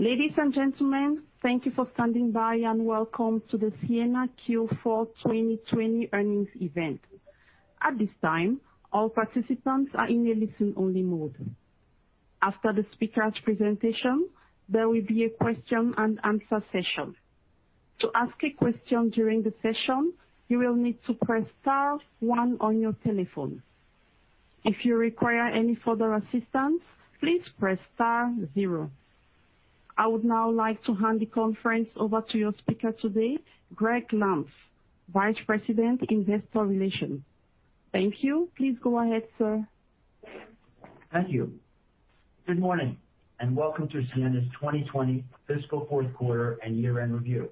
Ladies and gentlemen, thank you for standing by and welcome to the Ciena Q4 2020 earnings event. At this time, all participants are in a listen-only mode. After the speaker's presentation, there will be a question-and-answer session. To ask a question during the session, you will need to press star one on your telephone. If you require any further assistance, please press star zero. I would now like to hand the conference over to your speaker today, Gregg Lampf, Vice President, Investor Relations. Thank you. Please go ahead, sir. Thank you. Good morning and welcome to Ciena's 2020 fiscal fourth quarter and year-end review.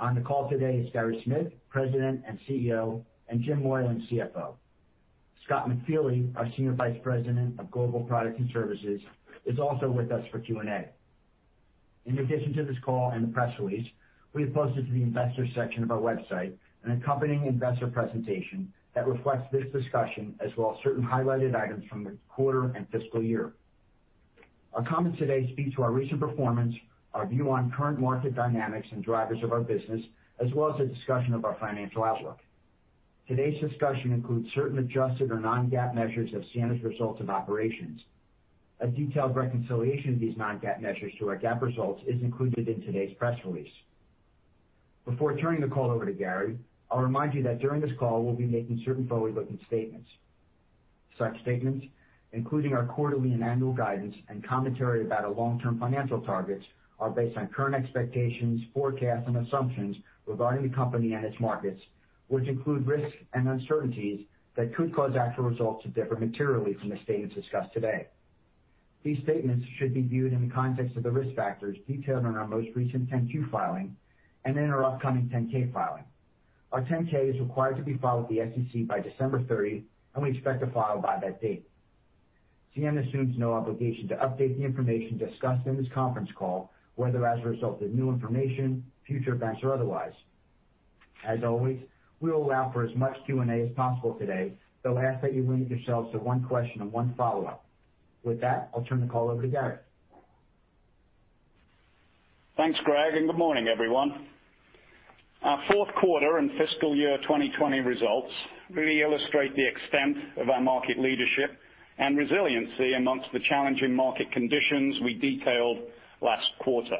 On the call today is Gary Smith, President and CEO, and Jim Moylan, CFO. Scott McFeely, our Senior Vice President of Global Products and Services, is also with us for Q&A. In addition to this call and the press release, we have posted to the investor section of our website an accompanying investor presentation that reflects this discussion as well as certain highlighted items from the quarter and fiscal year. Our comments today speak to our recent performance, our view on current market dynamics and drivers of our business, as well as a discussion of our financial outlook. Today's discussion includes certain adjusted or Non-GAAP measures of Ciena's results and operations. A detailed reconciliation of these Non-GAAP measures to our GAAP results is included in today's press release. Before turning the call over to Gary, I'll remind you that during this call, we'll be making certain forward-looking statements. Such statements, including our quarterly and annual guidance and commentary about our long-term financial targets, are based on current expectations, forecasts, and assumptions regarding the company and its markets, which include risks and uncertainties that could cause actual results to differ materially from the statements discussed today. These statements should be viewed in the context of the risk factors detailed in our most recent 10-Q filing and in our upcoming 10-K filing. Our 10-K is required to be filed with the SEC by December 30, and we expect to file by that date. Ciena assumes no obligation to update the information discussed in this conference call, whether as a result of new information, future events, or otherwise. As always, we will allow for as much Q&A as possible today, though I ask that you limit yourselves to one question and one follow-up. With that, I'll turn the call over to Gary. Thanks, Gregg, and good morning, everyone. Our fourth quarter and fiscal year 2020 results really illustrate the extent of our market leadership and resiliency amongst the challenging market conditions we detailed last quarter,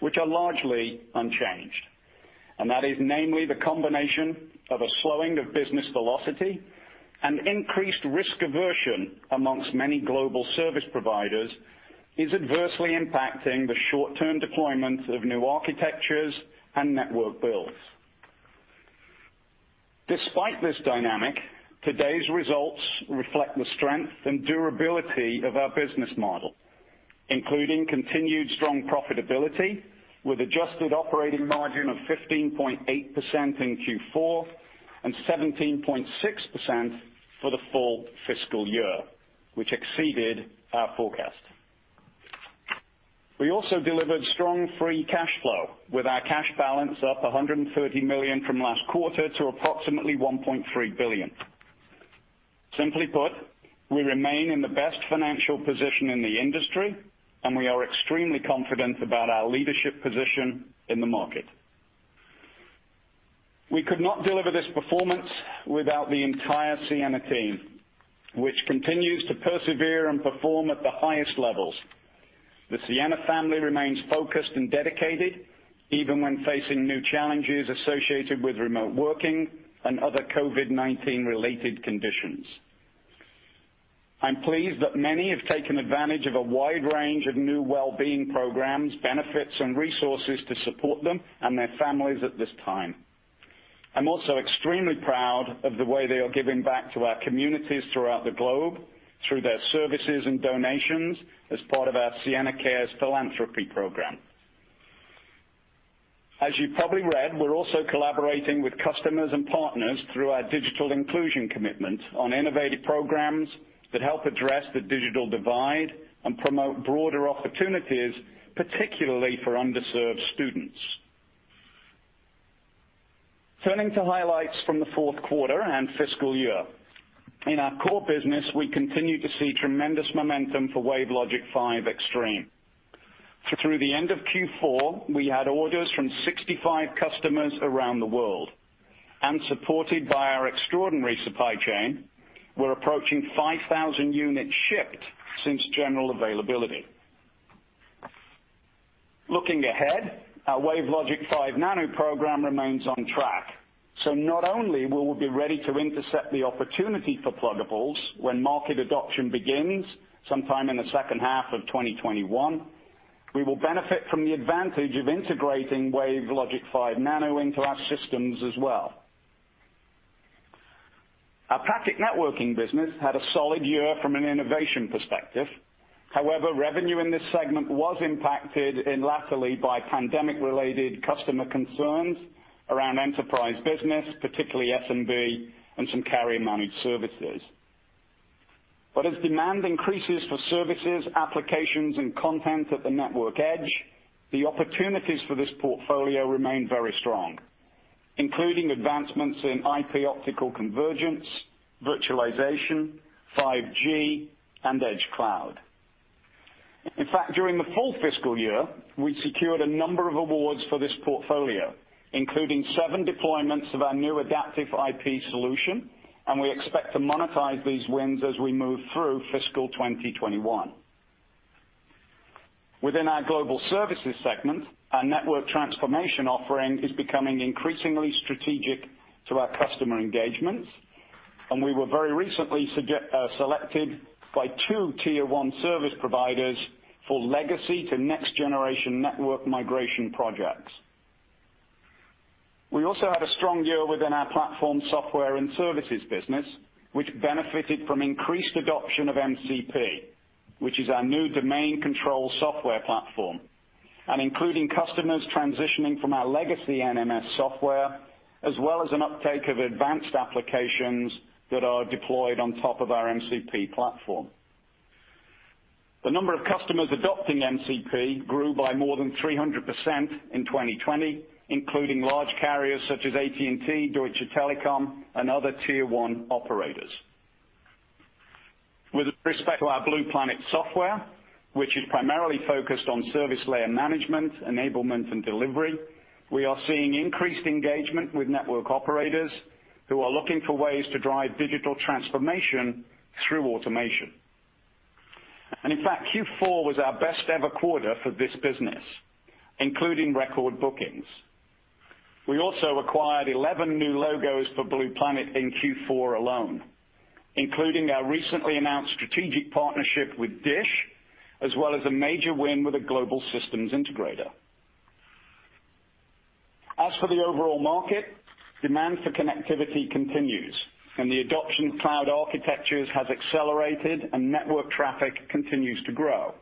which are largely unchanged, and that is namely the combination of a slowing of business velocity and increased risk aversion amongst many global service providers is adversely impacting the short-term deployment of new architectures and network builds. Despite this dynamic, today's results reflect the strength and durability of our business model, including continued strong profitability with an adjusted operating margin of 15.8% in Q4 and 17.6% for the full fiscal year, which exceeded our forecast. We also delivered strong free cash flow with our cash balance up $130 million from last quarter to approximately $1.3 billion. Simply put, we remain in the best financial position in the industry, and we are extremely confident about our leadership position in the market. We could not deliver this performance without the entire Ciena team, which continues to persevere and perform at the highest levels. The Ciena family remains focused and dedicated even when facing new challenges associated with remote working and other COVID-19-related conditions. I'm pleased that many have taken advantage of a wide range of new well-being programs, benefits, and resources to support them and their families at this time. I'm also extremely proud of the way they are giving back to our communities throughout the globe through their services and donations as part of our Ciena Cares philanthropy program. As you've probably read, we're also collaborating with customers and partners through our digital inclusion commitment on innovative programs that help address the digital divide and promote broader opportunities, particularly for underserved students. Turning to highlights from the fourth quarter and fiscal year, in our core business, we continue to see tremendous momentum for WaveLogic 5 Extreme. Through the end of Q4, we had orders from 65 customers around the world, and supported by our extraordinary supply chain, we're approaching 5,000 units shipped since general availability. Looking ahead, our WaveLogic 5 Nano program remains on track. So not only will we be ready to intercept the opportunity for pluggables when market adoption begins sometime in the second half of 2021, we will benefit from the advantage of integrating WaveLogic 5 Nano into our systems as well. Our packet networking business had a solid year from an innovation perspective. However, revenue in this segment was impacted lately by pandemic-related customer concerns around enterprise business, particularly SMB and some carrier-managed services. But as demand increases for services, applications, and content at the network edge, the opportunities for this portfolio remain very strong, including advancements in IP Optical Convergence, virtualization, 5G, and Edge Cloud. In fact, during the full fiscal year, we secured a number of awards for this portfolio, including seven deployments of our new Adaptive IP solution, and we expect to monetize these wins as we move through fiscal 2021. Within our global services segment, our network transformation offering is becoming increasingly strategic to our customer engagements, and we were very recently selected by two tier one service providers for legacy to next-generation network migration projects. We also had a strong year within our platform software and services business, which benefited from increased adoption of MCP, which is our new domain control software platform, and including customers transitioning from our legacy NMS software as well as an uptake of advanced applications that are deployed on top of our MCP platform. The number of customers adopting MCP grew by more than 300% in 2020, including large carriers such as AT&T, Deutsche Telekom, and other tier one operators. With respect to our Blue Planet software, which is primarily focused on service layer management, enablement, and delivery, we are seeing increased engagement with network operators who are looking for ways to drive digital transformation through automation. In fact, Q4 was our best-ever quarter for this business, including record bookings. We also acquired 11 new logos for Blue Planet in Q4 alone, including our recently announced strategic partnership with DISH, as well as a major win with a global systems integrator. As for the overall market, demand for connectivity continues, and the adoption of cloud architectures has accelerated, and network traffic continues to grow,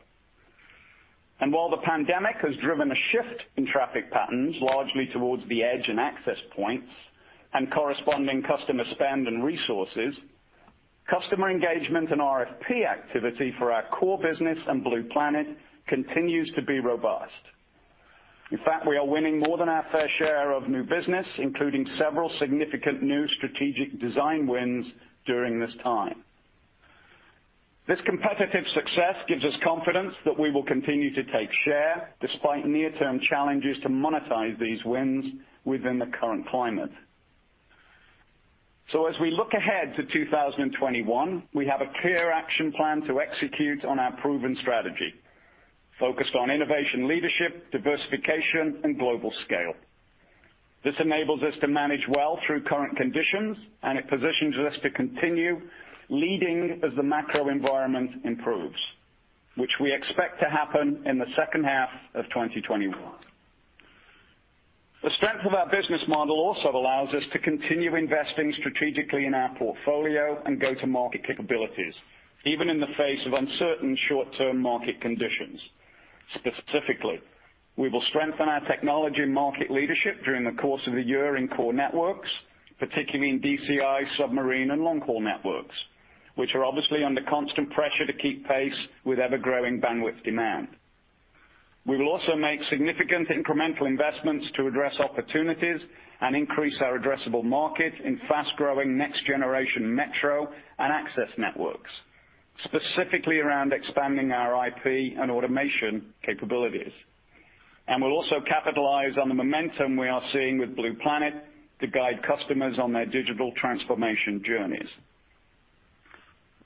and while the pandemic has driven a shift in traffic patterns, largely towards the edge and access points and corresponding customer spend and resources, customer engagement and RFP activity for our core business and Blue Planet continues to be robust. In fact, we are winning more than our fair share of new business, including several significant new strategic design wins during this time. This competitive success gives us confidence that we will continue to take share despite near-term challenges to monetize these wins within the current climate. As we look ahead to 2021, we have a clear action plan to execute on our proven strategy focused on innovation leadership, diversification, and global scale. This enables us to manage well through current conditions, and it positions us to continue leading as the macro environment improves, which we expect to happen in the second half of 2021. The strength of our business model also allows us to continue investing strategically in our portfolio and go-to-market capabilities, even in the face of uncertain short-term market conditions. Specifically, we will strengthen our technology market leadership during the course of the year in core networks, particularly in DCI, submarine, and long-haul networks, which are obviously under constant pressure to keep pace with ever-growing bandwidth demand. We will also make significant incremental investments to address opportunities and increase our addressable market in fast-growing next-generation metro and access networks, specifically around expanding our IP and automation capabilities. And we'll also capitalize on the momentum we are seeing with Blue Planet to guide customers on their digital transformation journeys.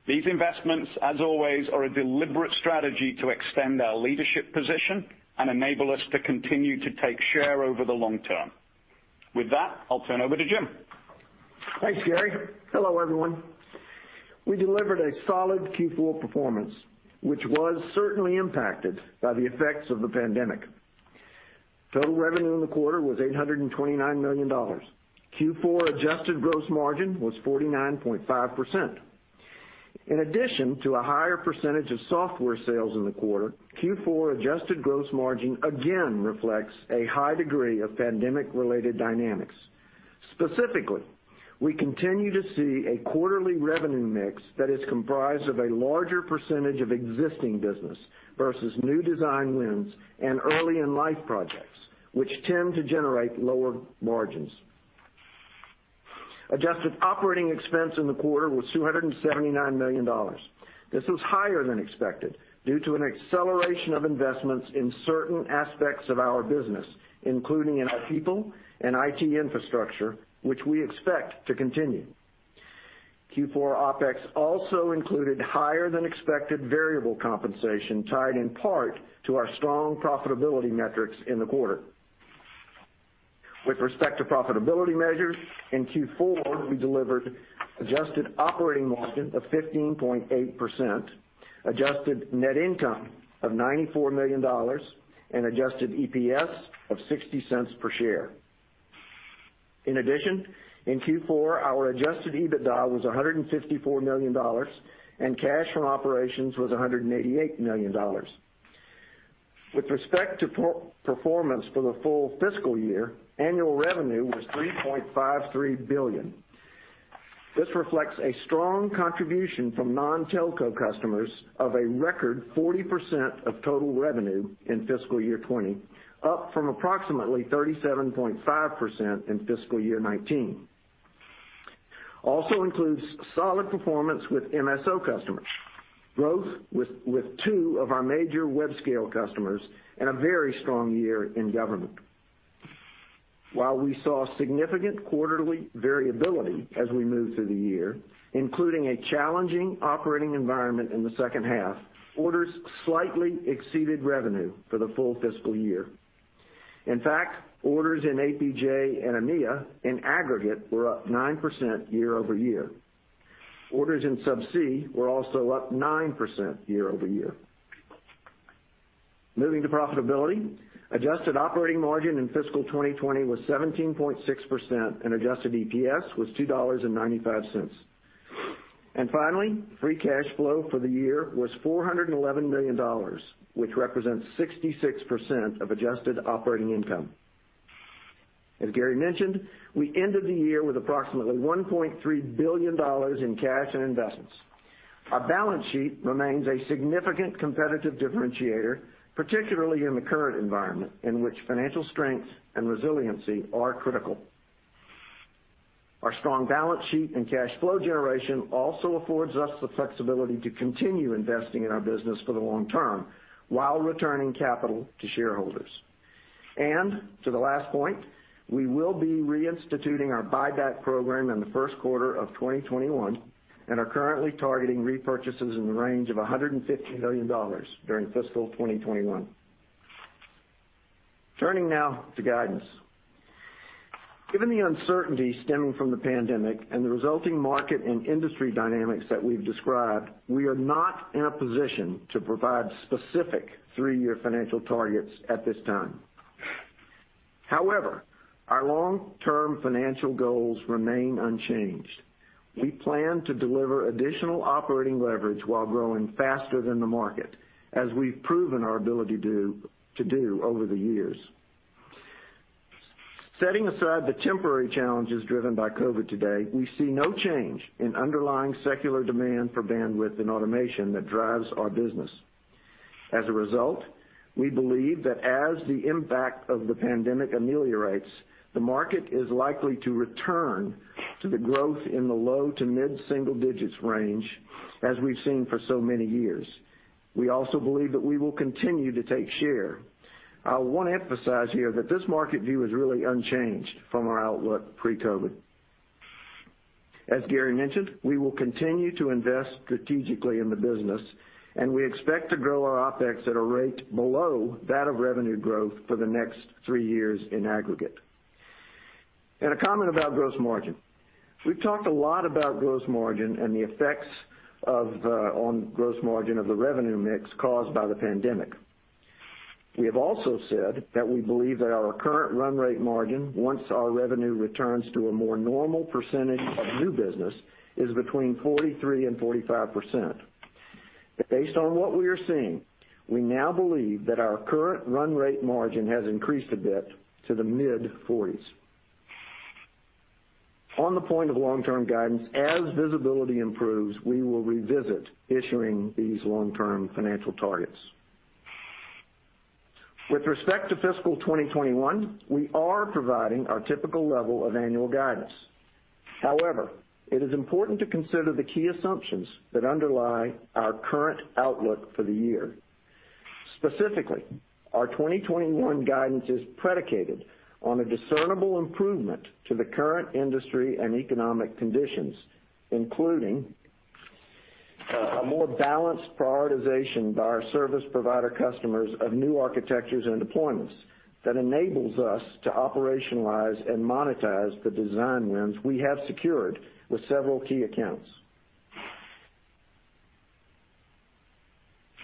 These investments, as always, are a deliberate strategy to extend our leadership position and enable us to continue to take share over the long term. With that, I'll turn over to Jim. Thanks, Gary. Hello, everyone. We delivered a solid Q4 performance, which was certainly impacted by the effects of the pandemic. Total revenue in the quarter was $829 million. Q4 adjusted gross margin was 49.5%. In addition to a higher percentage of software sales in the quarter, Q4 adjusted gross margin again reflects a high degree of pandemic-related dynamics. Specifically, we continue to see a quarterly revenue mix that is comprised of a larger percentage of existing business versus new design wins and early-in-life projects, which tend to generate lower margins. Adjusted operating expense in the quarter was $279 million. This was higher than expected due to an acceleration of investments in certain aspects of our business, including in our people and IT infrastructure, which we expect to continue. Q4 OpEx also included higher-than-expected variable compensation tied in part to our strong profitability metrics in the quarter. With respect to profitability measures, in Q4, we delivered adjusted operating margin of 15.8%, adjusted net income of $94 million, and adjusted EPS of $0.60 per share. In addition, in Q4, our Adjusted EBITDA was $154 million, and cash from operations was $188 million. With respect to performance for the full fiscal year, annual revenue was $3.53 billion. This reflects a strong contribution from non-Telco customers of a record 40% of total revenue in fiscal year 2020, up from approximately 37.5% in fiscal year 2019. Also includes solid performance with MSO customers, growth with two of our major web scale customers, and a very strong year in government. While we saw significant quarterly variability as we moved through the year, including a challenging operating environment in the second half, orders slightly exceeded revenue for the full fiscal year. In fact, orders in APJ and EMEA in aggregate were up 9% year-over-year. Orders in subsea were also up 9% year-over-year. Moving to profitability, adjusted operating margin in fiscal 2020 was 17.6%, and adjusted EPS was $2.95. And finally, free cash flow for the year was $411 million, which represents 66% of adjusted operating income. As Gary mentioned, we ended the year with approximately $1.3 billion in cash and investments. Our balance sheet remains a significant competitive differentiator, particularly in the current environment in which financial strength and resiliency are critical. Our strong balance sheet and cash flow generation also affords us the flexibility to continue investing in our business for the long term while returning capital to shareholders. And to the last point, we will be reinstituting our buyback program in the first quarter of 2021 and are currently targeting repurchases in the range of $150 million during fiscal 2021. Turning now to guidance. Given the uncertainty stemming from the pandemic and the resulting market and industry dynamics that we've described, we are not in a position to provide specific three-year financial targets at this time. However, our long-term financial goals remain unchanged. We plan to deliver additional operating leverage while growing faster than the market, as we've proven our ability to do over the years. Setting aside the temporary challenges driven by COVID today, we see no change in underlying secular demand for bandwidth and automation that drives our business. As a result, we believe that as the impact of the pandemic ameliorates, the market is likely to return to the growth in the low to mid-single digits range as we've seen for so many years. We also believe that we will continue to take share. I want to emphasize here that this market view is really unchanged from our outlook pre-COVID. As Gary mentioned, we will continue to invest strategically in the business, and we expect to grow our OpEx at a rate below that of revenue growth for the next three years in aggregate. And a comment about gross margin. We've talked a lot about gross margin and the effects on gross margin of the revenue mix caused by the pandemic. We have also said that we believe that our current run rate margin, once our revenue returns to a more normal percentage of new business, is between 43% and 45%. Based on what we are seeing, we now believe that our current run rate margin has increased a bit to the mid-40s. On the point of long-term guidance, as visibility improves, we will revisit issuing these long-term financial targets. With respect to fiscal 2021, we are providing our typical level of annual guidance. However, it is important to consider the key assumptions that underlie our current outlook for the year. Specifically, our 2021 guidance is predicated on a discernible improvement to the current industry and economic conditions, including a more balanced prioritization by our service provider customers of new architectures and deployments that enables us to operationalize and monetize the design wins we have secured with several key accounts.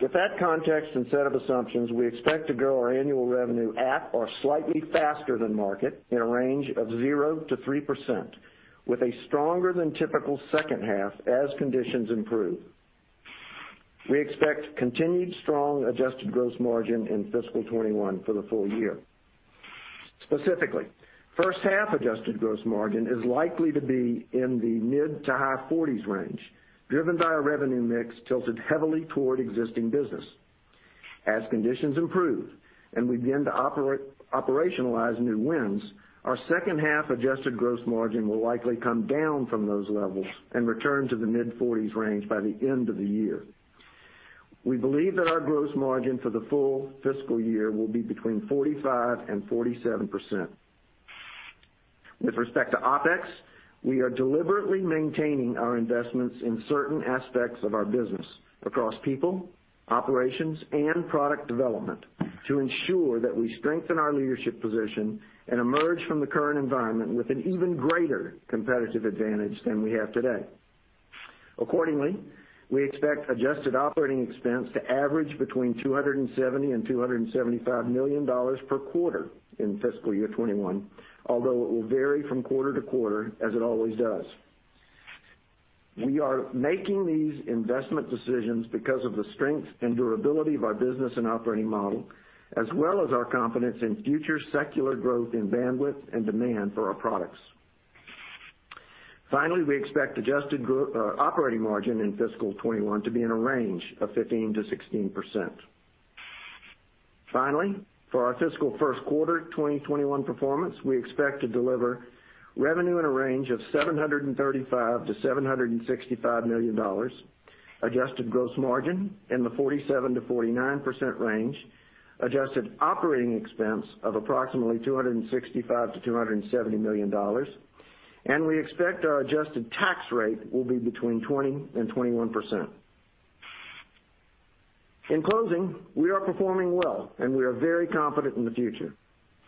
With that context and set of assumptions, we expect to grow our annual revenue at or slightly faster than market in a range of 0%-3%, with a stronger-than-typical second half as conditions improve. We expect continued strong adjusted gross margin in fiscal 2021 for the full year. Specifically, first half adjusted gross margin is likely to be in the mid to high 40s range, driven by a revenue mix tilted heavily toward existing business. As conditions improve and we begin to operationalize new wins, our second half adjusted gross margin will likely come down from those levels and return to the mid-40s range by the end of the year. We believe that our gross margin for the full fiscal year will be between 45% and 47%. With respect to OpEx, we are deliberately maintaining our investments in certain aspects of our business across people, operations, and product development to ensure that we strengthen our leadership position and emerge from the current environment with an even greater competitive advantage than we have today. Accordingly, we expect adjusted operating expense to average between $270 million and $275 million per quarter in fiscal year 2021, although it will vary from quarter to quarter, as it always does. We are making these investment decisions because of the strength and durability of our business and operating model, as well as our confidence in future secular growth in bandwidth and demand for our products. Finally, we expect adjusted operating margin in fiscal 2021 to be in a range of 15%-16%. Finally, for our fiscal first quarter 2021 performance, we expect to deliver revenue in a range of $735 million-$765 million, adjusted gross margin in the 47%-49% range, adjusted operating expense of approximately $265 million-$270 million, and we expect our adjusted tax rate will be between 20% and 21%. In closing, we are performing well, and we are very confident in the future.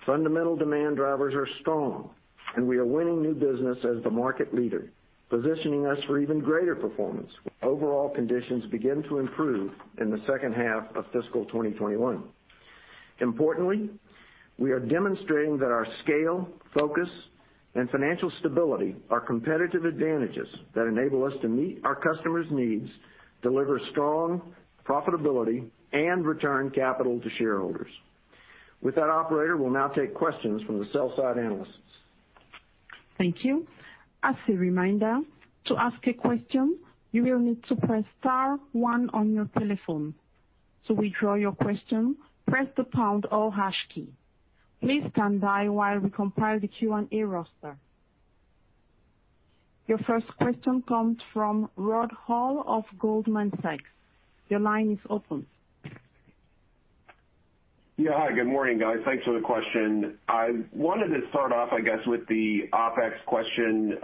Fundamental demand drivers are strong, and we are winning new business as the market leader, positioning us for even greater performance when overall conditions begin to improve in the second half of fiscal 2021. Importantly, we are demonstrating that our scale, focus, and financial stability are competitive advantages that enable us to meet our customers' needs, deliver strong profitability, and return capital to shareholders. With that, Operator, we'll now take questions from the sell-side analysts. Thank you. As a reminder, to ask a question, you will need to press star one on your telephone. To withdraw your question, press the pound or hash key. Please stand by while we compile the Q&A roster. Your first question comes from Rod Hall of Goldman Sachs. Your line is open. Yeah, hi. Good morning, guys. Thanks for the question. I wanted to start off, I guess, with the OpEx question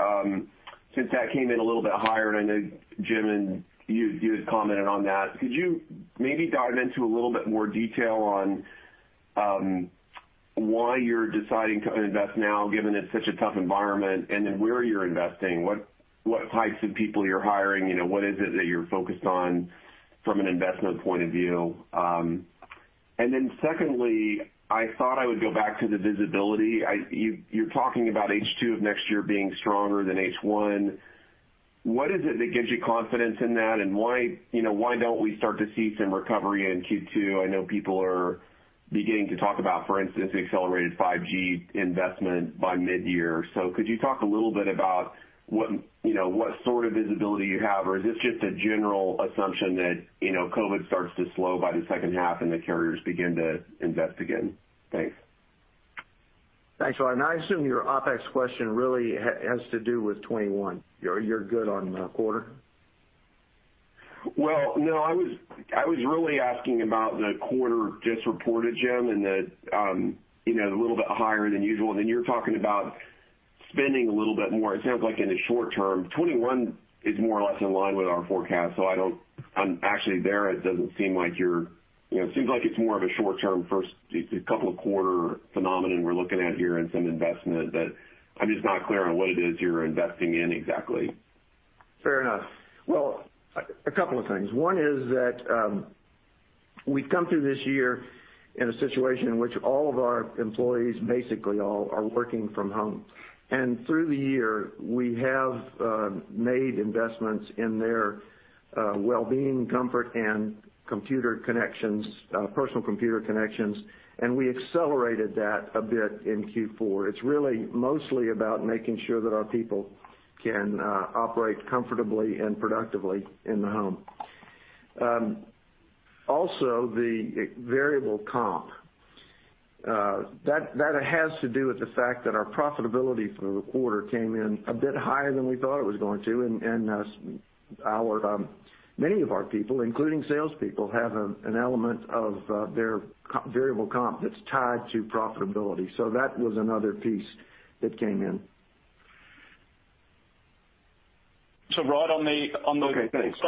since that came in a little bit higher, and I know Jim and you had commented on that. Could you maybe dive into a little bit more detail on why you're deciding to invest now, given it's such a tough environment, and then where you're investing? What types of people you're hiring? What is it that you're focused on from an investment point of view? And then secondly, I thought I would go back to the visibility. You're talking about H2 of next year being stronger than H1. What is it that gives you confidence in that, and why don't we start to see some recovery in Q2? I know people are beginning to talk about, for instance, the accelerated 5G investment by mid-year. So could you talk a little bit about what sort of visibility you have, or is this just a general assumption that COVID starts to slow by the second half and the carriers begin to invest again? Thanks. Thanks a lot. And I assume your OpEx question really has to do with 2021. You're good on the quarter? Well, no. I was really asking about the quarter just reported, Jim, and the little bit higher than usual. And then you're talking about spending a little bit more. It sounds like in the short term, 2021 is more or less in line with our forecast, so I'm actually there. It doesn't seem like you're—it seems like it's more of a short-term first—a couple of quarters phenomenon we're looking at here and some investment that I'm just not clear on what it is you're investing in exactly. Fair enough. Well, a couple of things. One is that we've come through this year in a situation in which all of our employees basically are working from home, and through the year, we have made investments in their well-being, comfort, and personal computer connections, and we accelerated that a bit in Q4. It's really mostly about making sure that our people can operate comfortably and productively in the home. Also, the variable comp, that has to do with the fact that our profitability for the quarter came in a bit higher than we thought it was going to, and many of our people, including salespeople, have an element of their variable comp that's tied to profitability, so that was another piece that came in. So Rod, on the. Okay. Thanks.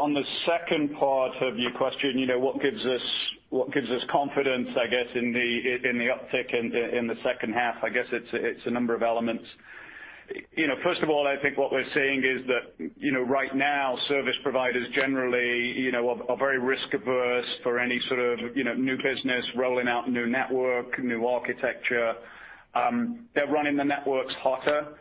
On the second part of your question, what gives us confidence, I guess, in the uptick in the second half? I guess it's a number of elements. First of all, I think what we're seeing is that right now, service providers generally are very risk-averse for any sort of new business rolling out new network, new architecture. They're running the networks hotter.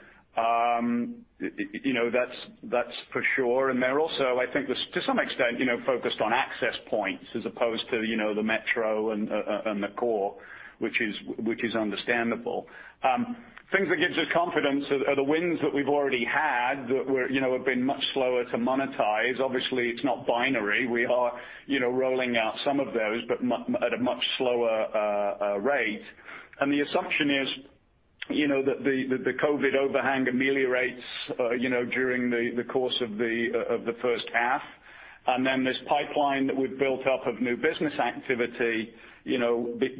That's for sure. And they're also, I guess, to some extent, focused on access points as opposed to the metro and the core, which is understandable. Things that gives us confidence are the wins that we've already had that have been much slower to monetize. Obviously, it's not binary. We are rolling out some of those, but at a much slower rate. The assumption is that the COVID overhang ameliorates during the course of the first half, and then this pipeline that we've built up of new business activity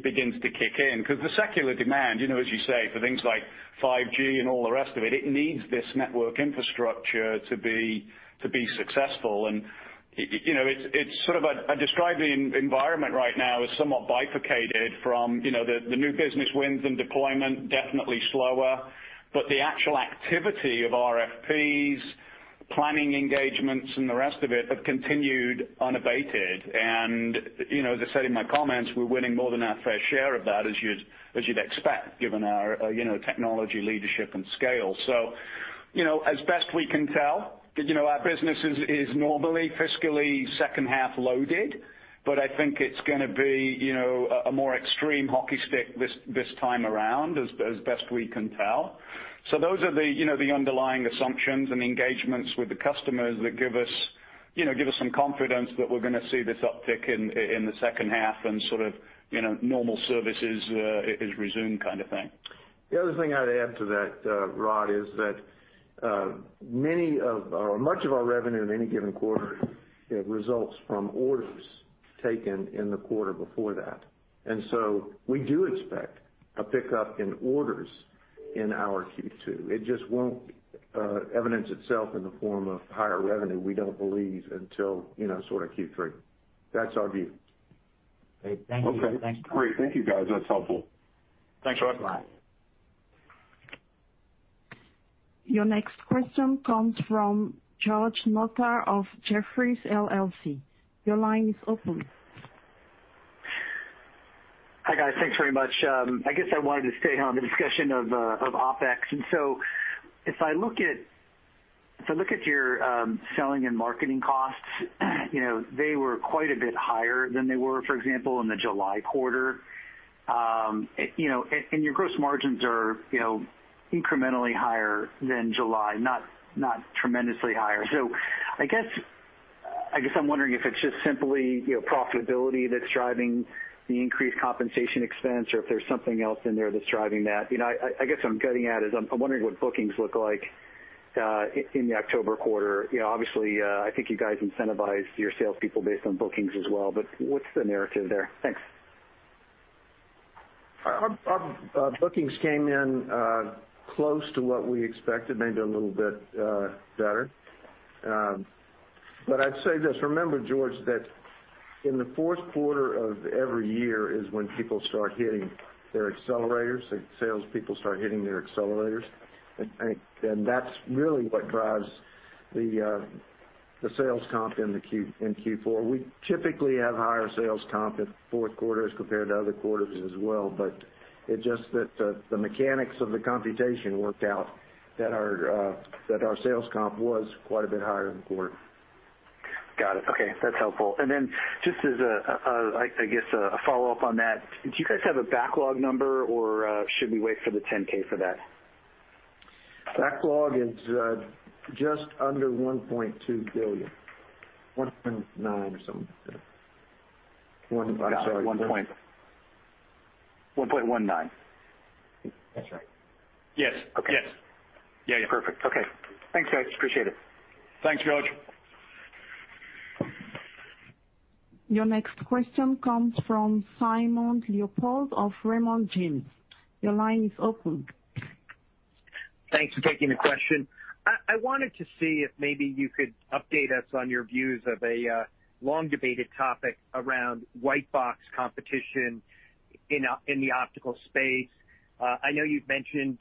begins to kick in. Because the secular demand, as you say, for things like 5G and all the rest of it, it needs this network infrastructure to be successful. It's sort of a described environment right now is somewhat bifurcated from the new business wins and deployment, definitely slower, but the actual activity of RFPs, planning engagements, and the rest of it have continued unabated. As I said in my comments, we're winning more than our fair share of that, as you'd expect, given our technology leadership and scale. So as best we can tell, our business is normally fiscally second half loaded, but I think it's going to be a more extreme hockey stick this time around, as best we can tell. So those are the underlying assumptions and engagements with the customers that give us some confidence that we're going to see this uptick in the second half and sort of normal services is resumed kind of thing. The other thing I'd add to that, Rod, is that many of our, much of our revenue in any given quarter results from orders taken in the quarter before that, and so we do expect a pickup in orders in our Q2. It just won't evidence itself in the form of higher revenue, we don't believe, until sort of Q3. That's our view. Great. Thank you. Thanks. Okay. Great. Thank you, guys. That's helpful. Thanks, Rod. Bye. Your next question comes from George Notter of Jefferies. Your line is open. Hi, guys. Thanks very much. I guess I wanted to stay on the discussion of OpEx. And so if I look at your selling and marketing costs, they were quite a bit higher than they were, for example, in the July quarter. And your gross margins are incrementally higher than July, not tremendously higher. So I guess I'm wondering if it's just simply profitability that's driving the increased compensation expense, or if there's something else in there that's driving that. I guess what I'm getting at is I'm wondering what bookings look like in the October quarter. Obviously, I think you guys incentivized your salespeople based on bookings as well, but what's the narrative there? Thanks. Our bookings came in close to what we expected, maybe a little bit better. But I'd say this: remember, George, that in the fourth quarter of every year is when people start hitting their accelerators, that salespeople start hitting their accelerators. And that's really what drives the sales comp in Q4. We typically have higher sales comp in the fourth quarter as compared to other quarters as well, but it's just that the mechanics of the computation worked out that our sales comp was quite a bit higher in the quarter. Got it. Okay. That's helpful. And then just as a, I guess, a follow-up on that, do you guys have a backlog number, or should we wait for the 10K for that? Backlog is just under $1.2 billion. $1.9 or something. I'm sorry. Got it. $1.19. That's right. Yes. Okay. Yes. Yeah, yeah. Perfect. Okay. Thanks, guys. Appreciate it. Thanks, George. Your next question comes from Simon Leopold of Raymond James. Your line is open. Thanks for taking the question. I wanted to see if maybe you could update us on your views of a long-debated topic around white-box competition in the optical space. I know you've mentioned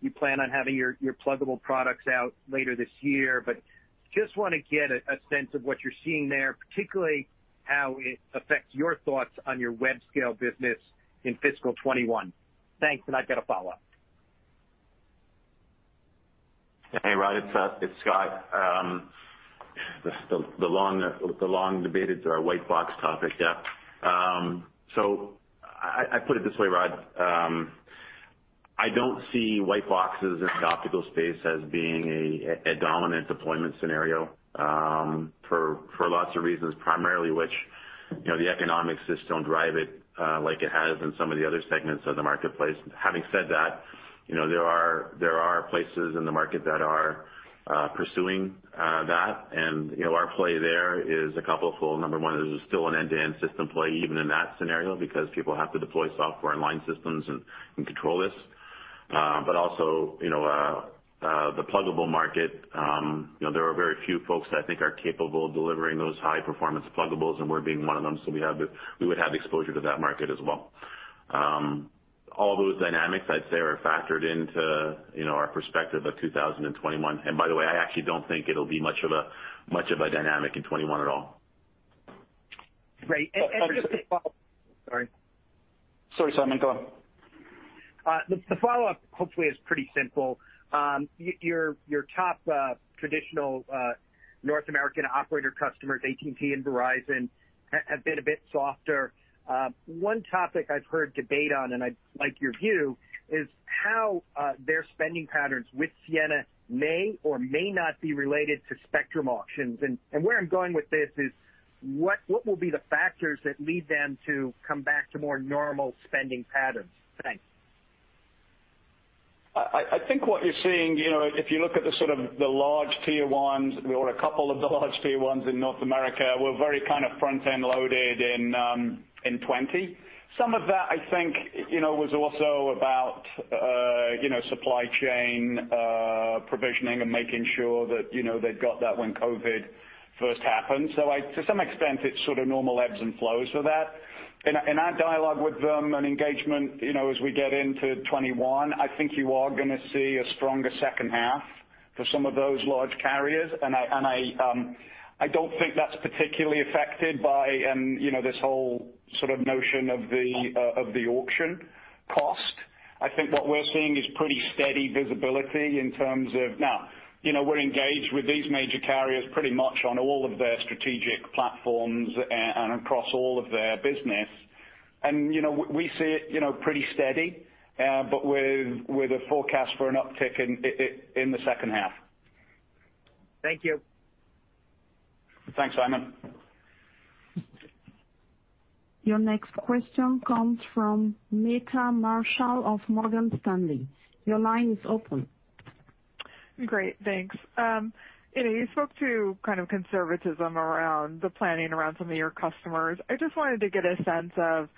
you plan on having your pluggable products out later this year, but just want to get a sense of what you're seeing there, particularly how it affects your thoughts on your web scale business in fiscal 2021. Thanks, and I've got a follow-up. Hey, Rod. It's Scott. The long-debated white-box topic, yeah. So I put it this way, Rod. I don't see white boxes in the optical space as being a dominant deployment scenario for lots of reasons, primarily which the economics just don't drive it like it has in some of the other segments of the marketplace. Having said that, there are places in the market that are pursuing that, and our play there is a couple-fold. Number one, there's still an end-to-end system play even in that scenario because people have to deploy software and line systems and control this. But also, the pluggable market, there are very few folks that I think are capable of delivering those high-performance pluggables, and we're one of them, so we would have exposure to that market as well. All those dynamics, I'd say, are factored into our perspective of 2021. By the way, I actually don't think it'll be much of a dynamic in 2021 at all. Great and just. Sorry. Sorry, Simon. Go on. The follow-up, hopefully, is pretty simple. Your top traditional North American operator customers, AT&T and Verizon, have been a bit softer. One topic I've heard debate on, and I'd like your view, is how their spending patterns with Ciena may or may not be related to spectrum auctions. And where I'm going with this is, what will be the factors that lead them to come back to more normal spending patterns? Thanks. I think what you're seeing, if you look at the sort of the large tier ones, we order a couple of the large tier ones in North America, we're very kind of front-end loaded in 2020. Some of that, I think, was also about supply chain provisioning and making sure that they'd got that when COVID first happened. So to some extent, it's sort of normal ebbs and flows for that. In our dialogue with them and engagement as we get into 2021, I think you are going to see a stronger second half for some of those large carriers. And I don't think that's particularly affected by this whole sort of notion of the auction cost. I think what we're seeing is pretty steady visibility in terms of now, we're engaged with these major carriers pretty much on all of their strategic platforms and across all of their business. And we see it pretty steady, but with a forecast for an uptick in the second half. Thank you. Thanks, Simon. Your next question comes from Meta Marshall of Morgan Stanley. Your line is open. Great. Thanks. You spoke to kind of conservatism around the planning around some of your customers. I just wanted to get a sense of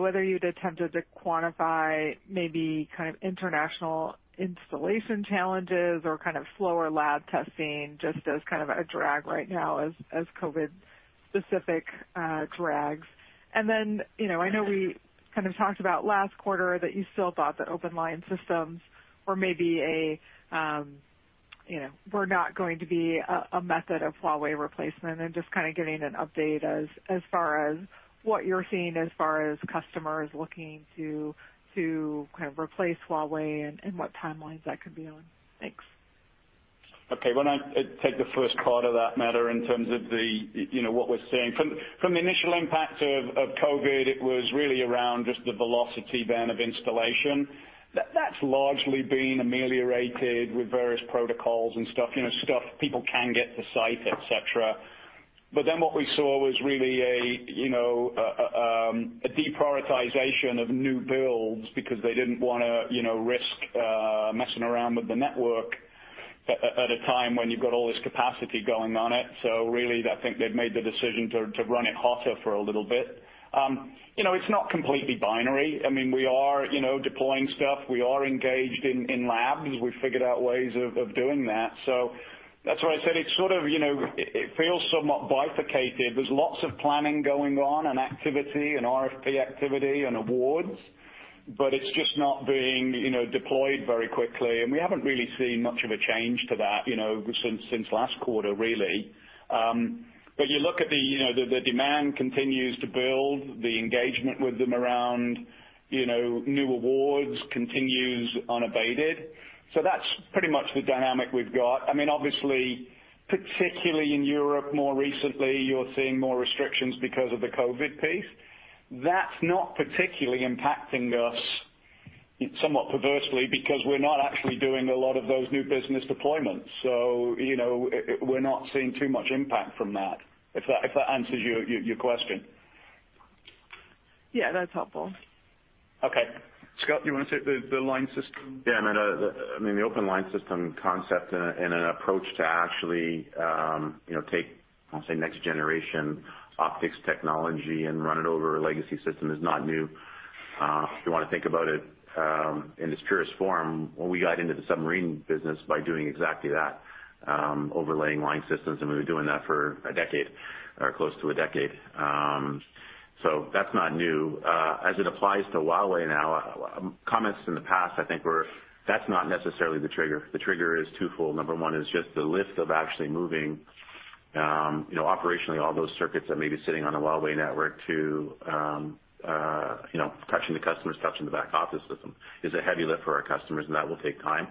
whether you'd attempted to quantify maybe kind of international installation challenges or kind of slower lab testing just as kind of a drag right now as COVID-specific drags. And then I know we kind of talked about last quarter that you still thought that open line systems were maybe were not going to be a method of Huawei replacement and just kind of getting an update as far as what you're seeing as far as customers looking to kind of replace Huawei and what timelines that could be on. Thanks. Okay. When I take the first part of that matter in terms of what we're seeing, from the initial impact of COVID, it was really around just the velocity then of installation. That's largely been ameliorated with various protocols and stuff, stuff people can get to site, etc. But then what we saw was really a deprioritization of new builds because they didn't want to risk messing around with the network at a time when you've got all this capacity going on it. So really, I think they've made the decision to run it hotter for a little bit. It's not completely binary. I mean, we are deploying stuff. We are engaged in labs. We've figured out ways of doing that. So that's why I said it's sort of it feels somewhat bifurcated. There's lots of planning going on and activity and RFP activity and awards, but it's just not being deployed very quickly, and we haven't really seen much of a change to that since last quarter, really, but you look at the demand continues to build. The engagement with them around new awards continues unabated, so that's pretty much the dynamic we've got. I mean, obviously, particularly in Europe more recently, you're seeing more restrictions because of the COVID piece. That's not particularly impacting us, somewhat perversely, because we're not actually doing a lot of those new business deployments, so we're not seeing too much impact from that, if that answers your question. Yeah, that's helpful. Okay. Scott, do you want to take the line system? Yeah. I mean, the open line system concept and an approach to actually take, I'll say, next-generation optics technology and run it over a legacy system is not new. If you want to think about it in its purest form, we got into the submarine business by doing exactly that, overlaying line systems, and we were doing that for a decade or close to a decade. So that's not new. As it applies to Huawei now, comments in the past, I think, were that's not necessarily the trigger. The trigger is twofold. Number one is just the lift of actually moving operationally all those circuits that may be sitting on the Huawei network to touching the customers, touching the back office with them is a heavy lift for our customers, and that will take time.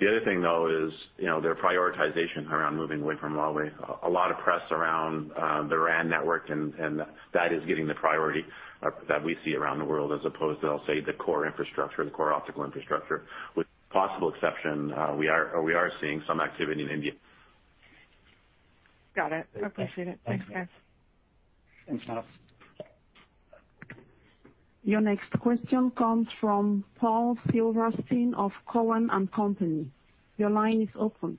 The other thing, though, is their prioritization around moving away from Huawei. A lot of press around the RAN network, and that is getting the priority that we see around the world as opposed to, I'll say, the core infrastructure, the core optical infrastructure. With possible exception, we are seeing some activity in India. Got it. I appreciate it. Thanks, guys. Thanks, Matt. Your next question comes from Paul Silverstein of Cowen. Your line is open.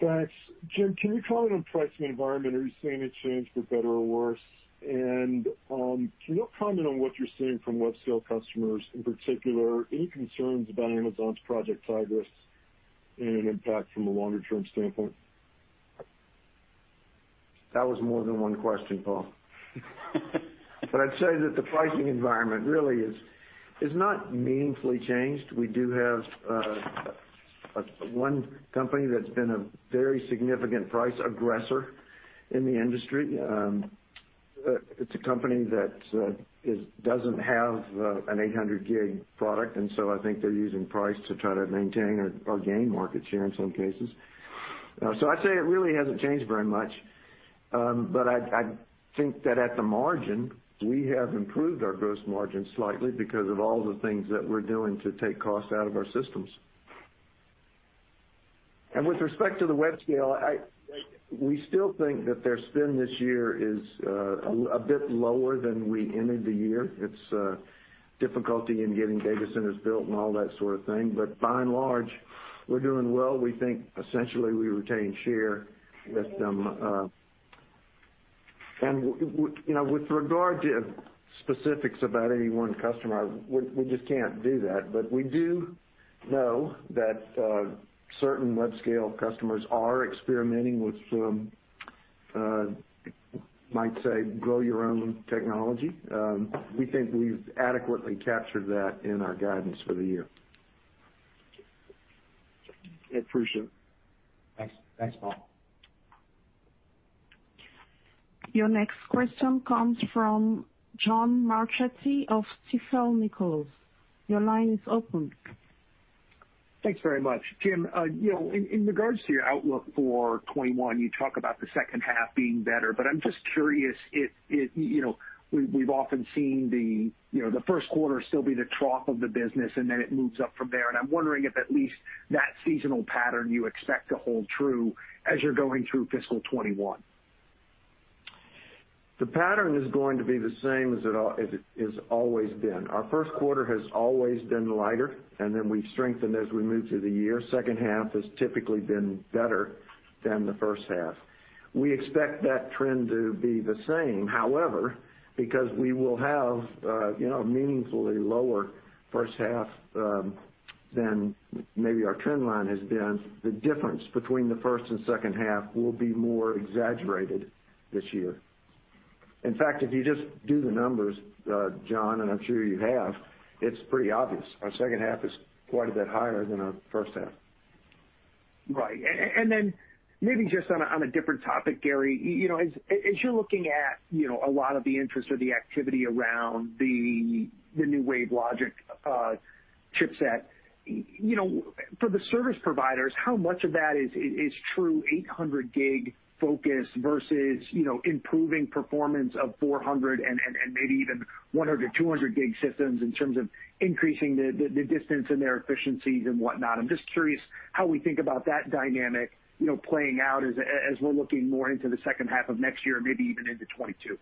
Thanks. Jim, can you comment on pricing environment? Are you seeing it change for better or worse? And can you comment on what you're seeing from web scale customers, in particular, any concerns about Amazon's Project Tigris and impact from a longer-term standpoint? That was more than one question, Paul. But I'd say that the pricing environment really is not meaningfully changed. We do have one company that's been a very significant price aggressor in the industry. It's a company that doesn't have an 800-gig product, and so I think they're using price to try to maintain or gain market share in some cases. So I'd say it really hasn't changed very much. But I think that at the margin, we have improved our gross margin slightly because of all the things that we're doing to take cost out of our systems. And with respect to the web scale, we still think that their spend this year is a bit lower than we ended the year. It's difficulty in getting data centers built and all that sort of thing. But by and large, we're doing well. We think, essentially, we retain share with them. And with regard to specifics about any one customer, we just can't do that. But we do know that certain web scale customers are experimenting with, might say, grow-your-own technology. We think we've adequately captured that in our guidance for the year. I appreciate it. Thanks. Thanks, Paul. Your next question comes from John Marchetti of Stifel. Your line is open. Thanks very much. Jim, in regards to your outlook for 2021, you talk about the second half being better, but I'm just curious. We've often seen the first quarter still be the trough of the business, and then it moves up from there. And I'm wondering if at least that seasonal pattern you expect to hold true as you're going through fiscal 2021? The pattern is going to be the same as it has always been. Our first quarter has always been lighter, and then we've strengthened as we move through the year. Second half has typically been better than the first half. We expect that trend to be the same. However, because we will have a meaningfully lower first half than maybe our trend line has been, the difference between the first and second half will be more exaggerated this year. In fact, if you just do the numbers, John, and I'm sure you have, it's pretty obvious. Our second half is quite a bit higher than our first half. Right. And then maybe just on a different topic, Gary, as you're looking at a lot of the interest or the activity around the new WaveLogic chipset, for the service providers, how much of that is true 800-gig focus versus improving performance of 400- and maybe even 100-, 200-gig systems in terms of increasing the distance and their efficiencies and whatnot? I'm just curious how we think about that dynamic playing out as we're looking more into the second half of next year, maybe even into 2022.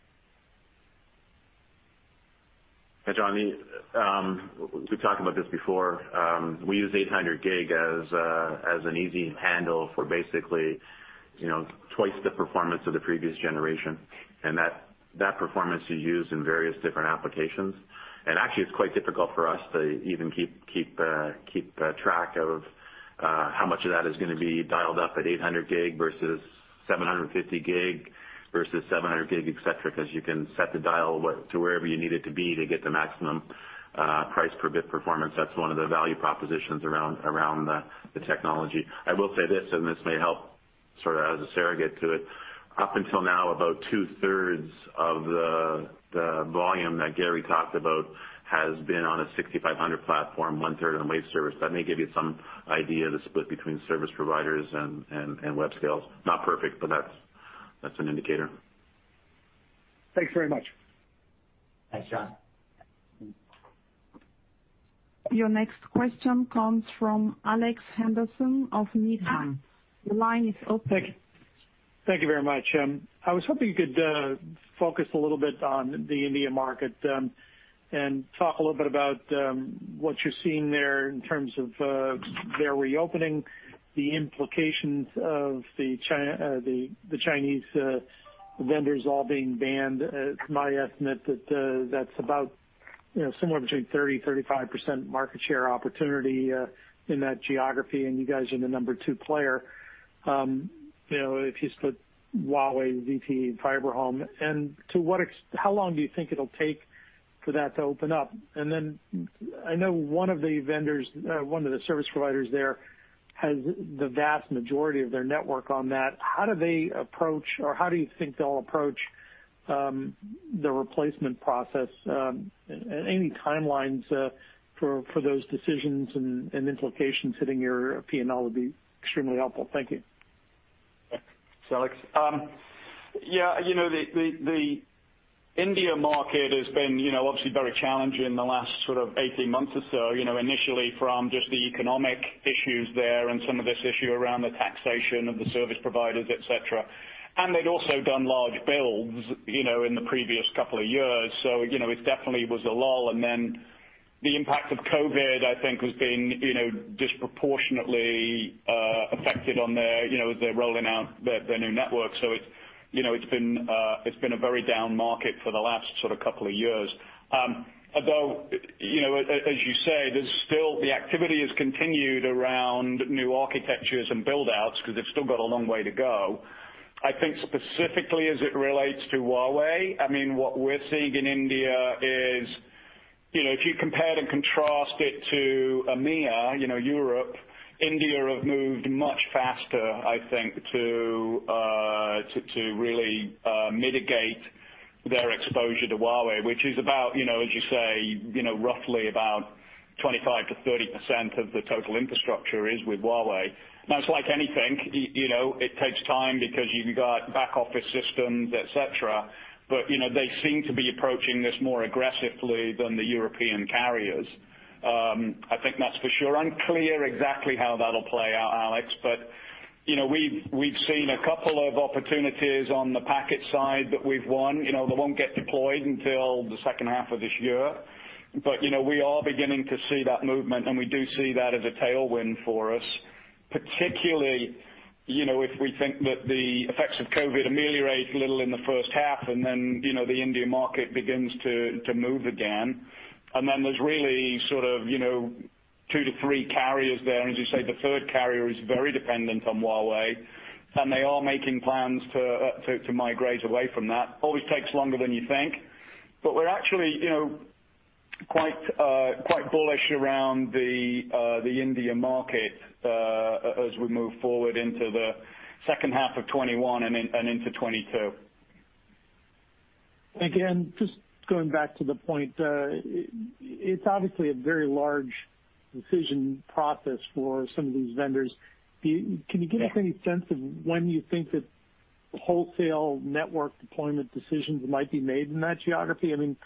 Hey, John. We've talked about this before. We use 800-gig as an easy handle for basically twice the performance of the previous generation. And that performance is used in various different applications. And actually, it's quite difficult for us to even keep track of how much of that is going to be dialed up at 800-gig versus 750-gig versus 700-gig, etc., because you can set the dial to wherever you need it to be to get the maximum price per bit performance. That's one of the value propositions around the technology. I will say this, and this may help sort of as a surrogate to it. Up until now, about two-thirds of the volume that Gary talked about has been on a 6500 platform, one-third on Waveserver. That may give you some idea of the split between service providers and web scales. Not perfect, but that's an indicator. Thanks very much. Thanks, John. Your next question comes from Alex Henderson of Needham & Company. Your line is open. Thank you very much. I was hoping you could focus a little bit on the India market and talk a little bit about what you're seeing there in terms of their reopening, the implications of the Chinese vendors all being banned. It's my estimate that that's about somewhere between 30%-35% market share opportunity in that geography, and you guys are the number 2 player. If you split Huawei, ZTE, and FiberHome, how long do you think it'll take for that to open up? And then I know one of the vendors, one of the service providers there, has the vast majority of their network on that. How do they approach, or how do you think they'll approach the replacement process? Any timelines for those decisions and implications hitting your P&L would be extremely helpful. Thank you. Thanks, Alex. Yeah, the India market has been obviously very challenging in the last sort of 18 months or so, initially from just the economic issues there and some of this issue around the taxation of the service providers, etc. And they'd also done large builds in the previous couple of years. So it definitely was a lull. And then the impact of COVID, I think, has been disproportionately affecting them as they're rolling out their new network. So it's been a very down market for the last sort of couple of years. Although, as you say, the activity has continued around new architectures and buildouts because they've still got a long way to go. I think specifically as it relates to Huawei, I mean, what we're seeing in India is if you compare and contrast it to EMEA, Europe, India have moved much faster, I think, to really mitigate their exposure to Huawei, which is about, as you say, roughly about 25%-30% of the total infrastructure is with Huawei. Now, it's like anything. It takes time because you've got back office systems, etc. But they seem to be approaching this more aggressively than the European carriers. I think that's for sure. I'm unclear exactly how that'll play out, Alex, but we've seen a couple of opportunities on the packet side that we've won. They won't get deployed until the second half of this year. But we are beginning to see that movement, and we do see that as a tailwind for us, particularly if we think that the effects of COVID ameliorate a little in the first half, and then the India market begins to move again, and then there's really sort of two to three carriers there. And as you say, the third carrier is very dependent on Huawei, and they are making plans to migrate away from that. Always takes longer than you think, but we're actually quite bullish around the India market as we move forward into the second half of 2021 and into 2022. Thank you, and just going back to the point, it's obviously a very large decision process for some of these vendors. Can you give us any sense of when you think that wholesale network deployment decisions might be made in that geography? I mean,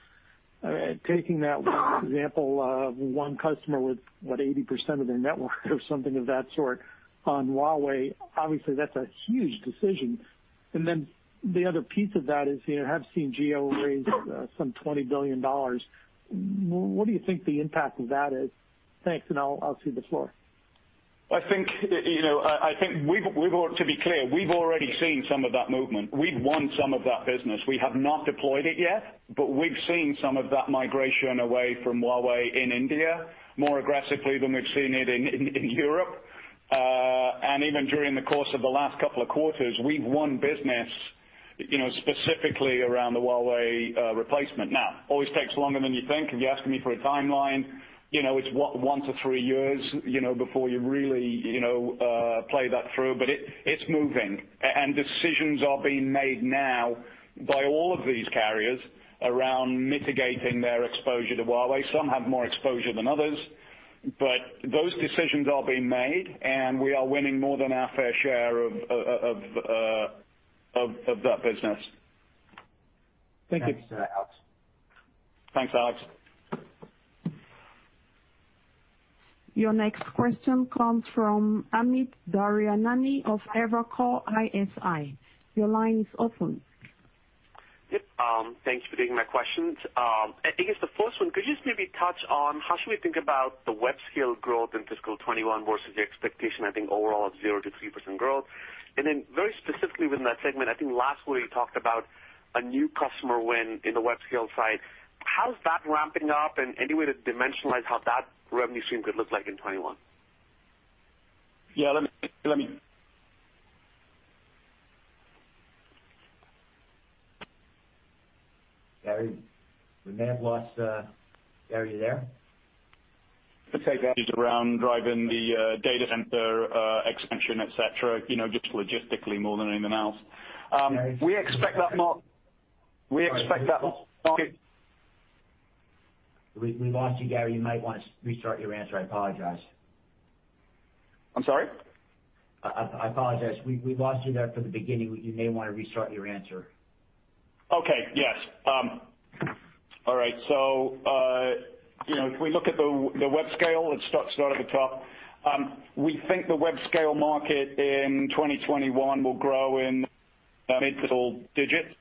taking that example of one customer with, what, 80% of their network or something of that sort on Huawei, obviously, that's a huge decision. And then the other piece of that is you have seen Jio raise some $20 billion. What do you think the impact of that is? Thanks, and I'll cede the floor. I think we've already, to be clear, we've already seen some of that movement. We've won some of that business. We have not deployed it yet, but we've seen some of that migration away from Huawei in India more aggressively than we've seen it in Europe, and even during the course of the last couple of quarters, we've won business specifically around the Huawei replacement. Now, it always takes longer than you think. If you're asking me for a timeline, it's one to three years before you really play that through, but it's moving, and decisions are being made now by all of these carriers around mitigating their exposure to Huawei. Some have more exposure than others, but those decisions are being made, and we are winning more than our fair share of that business. Thank you. Thanks, Alex. Your next question comes from Amit Daryanani of Evercore ISI. Your line is open. Yep. Thank you for taking my questions. I guess the first one, could you just maybe touch on how should we think about the web scale growth in fiscal 2021 versus the expectation, I think, overall of 0%-3% growth? And then very specifically within that segment, I think last week you talked about a new customer win in the web scale side. How's that ramping up, and any way to dimensionalize how that revenue stream could look like in 2021? Yeah, let me... Gary, we may have lost Gary there. I'd say around driving the data center expansion, etc., just logistically more than anything else. We expect that market. We lost you, Gary. You might want to restart your answer. I apologize. I'm sorry? I apologize. We lost you there for the beginning. You may want to restart your answer. Okay. Yes. All right. So if we look at the Web Scale, it starts right at the top. We think the Web Scale market in 2021 will grow in the mid- to low-single digits,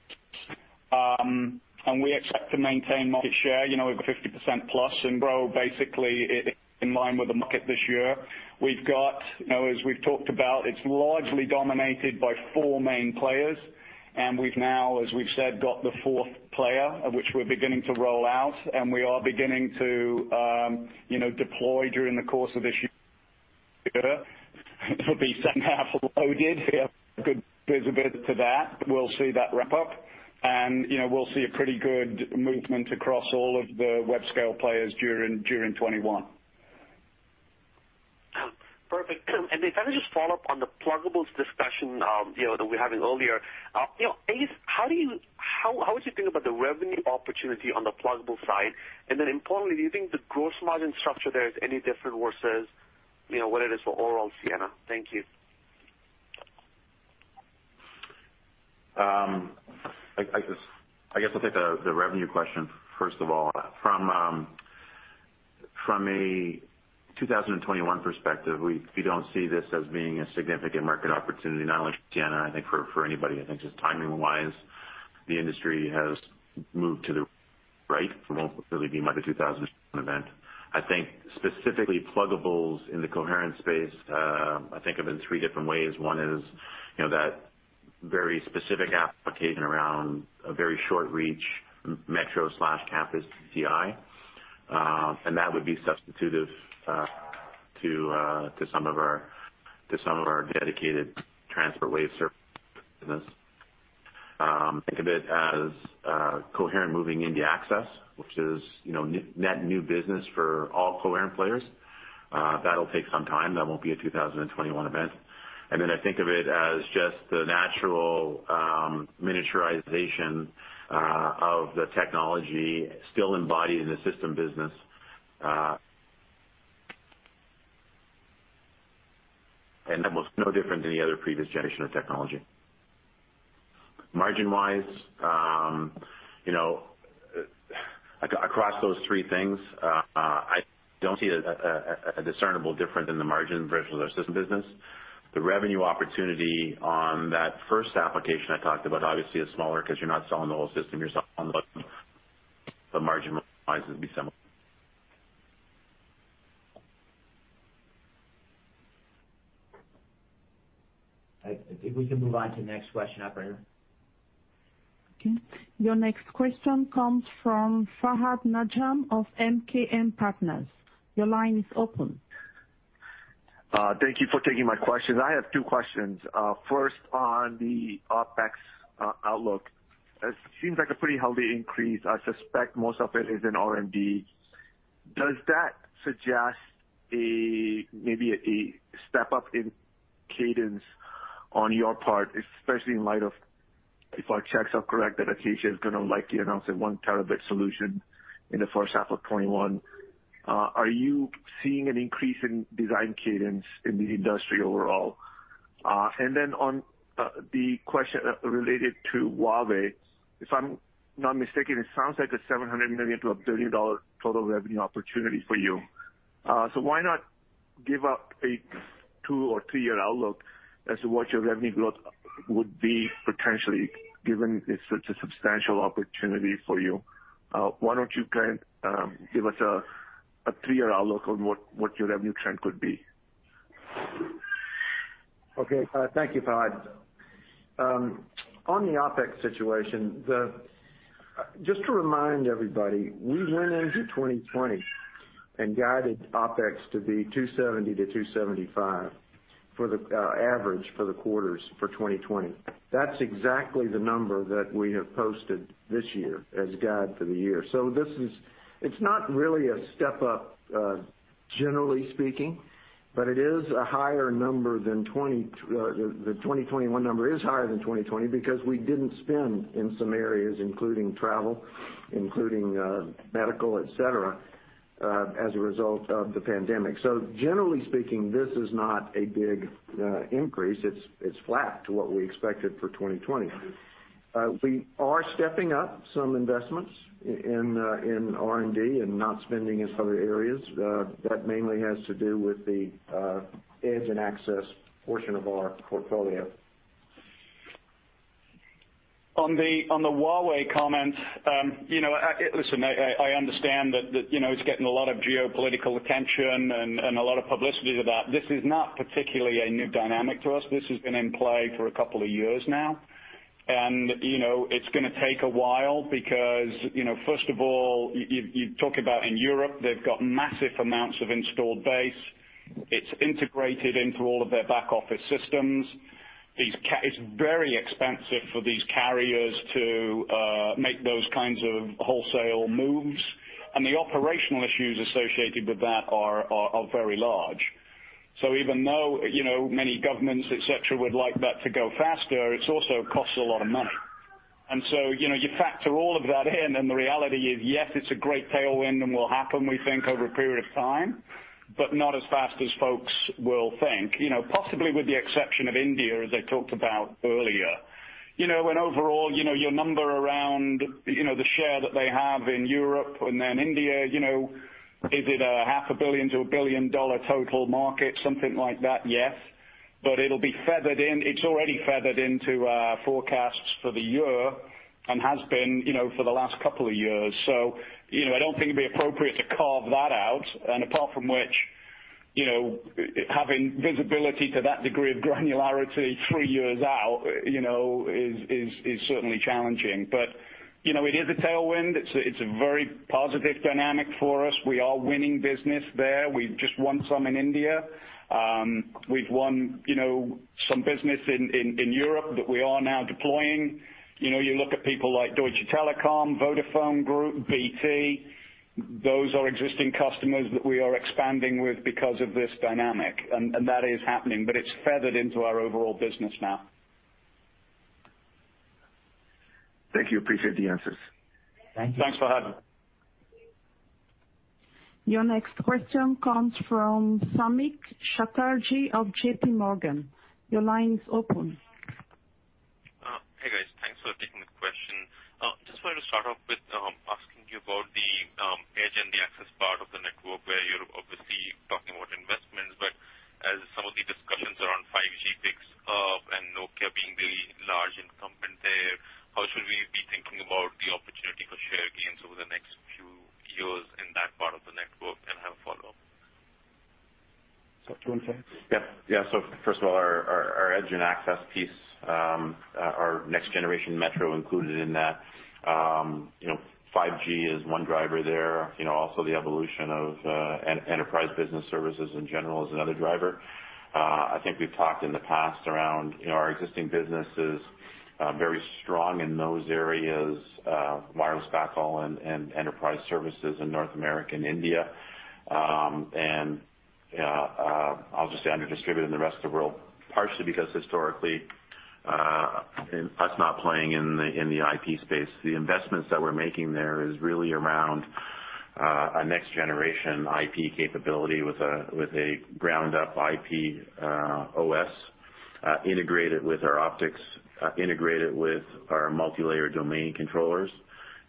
and we expect to maintain market share over 50%+ and grow basically in line with the market this year. We've got, as we've talked about, it's largely dominated by four main players, and we've now, as we've said, got the fourth player, which we're beginning to roll out, and we are beginning to deploy during the course of this year. It'll be somewhat loaded. We have a good bit of that. We'll see that wrap up, and we'll see a pretty good movement across all of the Web Scale players during 2021. Perfect. And if I can just follow up on the pluggable discussion that we were having earlier, how would you think about the revenue opportunity on the pluggable side? And then importantly, do you think the gross margin structure there is any different versus what it is for overall Ciena? Thank you. I guess I'll take the revenue question first of all. From a 2021 perspective, we don't see this as being a significant market opportunity, not only for Ciena, I think for anybody. I think just timing-wise, the industry has moved to the right. It won't really be much of a 2021 event. I think specifically pluggables in the coherent space, I think of it in three different ways. One is that very specific application around a very short-reach metro/campus DCI, and that would be substitutive to some of our dedicated transport Waveserver business. Think of it as coherent moving into access, which is net new business for all coherent players. That'll take some time. That won't be a 2021 event. And then I think of it as just the natural miniaturization of the technology still embodied in the system business. And that was no different than the other previous generation of technology. Margin-wise, across those three things, I don't see a discernible difference in the margin versus our system business. The revenue opportunity on that first application I talked about, obviously, is smaller because you're not selling the whole system. You're selling the margin-wise, it'd be similar. I think we can move on to the next question up here. Okay. Your next question comes from Fahad Najam of MKM Partners. Your line is open. Thank you for taking my questions. I have two questions. First, on the OpEx outlook, it seems like a pretty healthy increase. I suspect most of it is in R&D. Does that suggest maybe a step-up in cadence on your part, especially in light of, if our checks are correct, that Acacia is going to likely announce a 1 TB solution in the first half of 2021? Are you seeing an increase in design cadence in the industry overall? And then on the question related to Huawei, if I'm not mistaken, it sounds like a $700 million-$1 billion total revenue opportunity for you. So why not give up a two or three-year outlook as to what your revenue growth would be potentially, given it's a substantial opportunity for you? Why don't you give us a three-year outlook on what your revenue trend could be? Okay. Thank you, Fahad. On the OpEx situation, just to remind everybody, we went into 2020 and guided OpEx to be $270-$275 for the average for the quarters for 2020. That's exactly the number that we have posted this year as guide for the year. So it's not really a step-up, generally speaking, but it is a higher number than 2021. The 2021 number is higher than 2020 because we didn't spend in some areas, including travel, including medical, etc., as a result of the pandemic. So generally speaking, this is not a big increase. It's flat to what we expected for 2020. We are stepping up some investments in R&D and not spending in other areas. That mainly has to do with the edge and access portion of our portfolio. On the Huawei comment, listen, I understand that it's getting a lot of geopolitical attention and a lot of publicity to that. This is not particularly a new dynamic to us. This has been in play for a couple of years now, and it's going to take a while because, first of all, you talk about in Europe, they've got massive amounts of installed base. It's integrated into all of their back office systems. It's very expensive for these carriers to make those kinds of wholesale moves, and the operational issues associated with that are very large, so even though many governments, etc., would like that to go faster, it also costs a lot of money. And so you factor all of that in, and the reality is, yes, it's a great tailwind and will happen, we think, over a period of time, but not as fast as folks will think. Possibly with the exception of India, as I talked about earlier. And overall, your number around the share that they have in Europe and then India, is it a half a billion to a billion dollar total market, something like that? Yes. But it'll be phased in. It's already phased into forecasts for the year and has been for the last couple of years. So I don't think it'd be appropriate to carve that out. And apart from which, having visibility to that degree of granularity three years out is certainly challenging. But it is a tailwind. It's a very positive dynamic for us. We are winning business there. We've just won some in India. We've won some business in Europe that we are now deploying. You look at people like Deutsche Telekom, Vodafone Group, BT. Those are existing customers that we are expanding with because of this dynamic, and that is happening, but it's feathered into our overall business now. Thank you. Appreciate the answers. Thank you. Thanks, Fahad. Your next question comes from Samik Chatterjee of J.P. Morgan. Your line is open. Hey, guys. Thanks for taking the question. I just wanted to start off with asking you about the edge and the access part of the network where you're obviously talking about investments. But as some of the discussions around 5G picks up and Nokia being the large incumbent there, how should we be thinking about the opportunity for share gains over the next few years in that part of the network? And I have a follow-up. Can I say? Yeah. Yeah. So first of all, our edge and access piece, our next-generation metro included in that. 5G is one driver there. Also, the evolution of enterprise business services in general is another driver. I think we've talked in the past around our existing business is very strong in those areas, wireless backhaul and enterprise services in North America and India. And I'll just say underdistributed in the rest of the world, partially because historically, that's not playing in the IP space. The investments that we're making there is really around a next-generation IP capability with a ground-up IP OS integrated with our optics, integrated with our multi-layer domain controllers,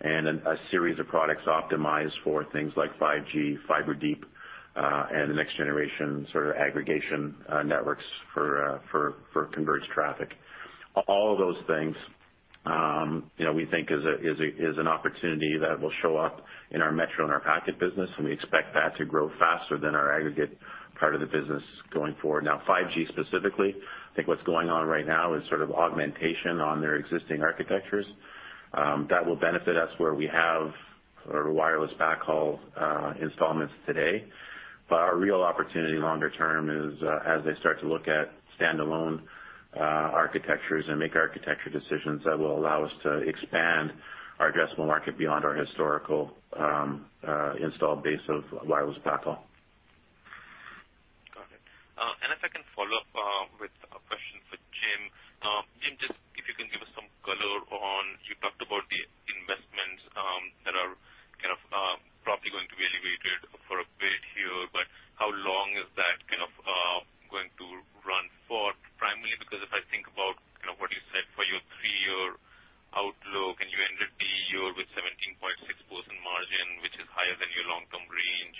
and a series of products optimized for things like 5G, Fiber Deep, and the next-generation sort of aggregation networks for converged traffic. All of those things we think is an opportunity that will show up in our metro and our packet business, and we expect that to grow faster than our aggregate part of the business going forward. Now, 5G specifically, I think what's going on right now is sort of augmentation on their existing architectures. That will benefit us where we have our wireless backhaul installations today. But our real opportunity longer term is as they start to look at standalone architectures and make architecture decisions that will allow us to expand our addressable market beyond our historical installed base of wireless backhaul. Got it. And if I can follow up with a question for Jim. Jim, just if you can give us some color on you talked about the investments that are kind of probably going to be elevated for a bit here, but how long is that kind of going to run for? Primarily because if I think about kind of what you said for your three-year outlook, and you ended the year with 17.6% margin, which is higher than your long-term range.